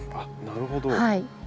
なるほど。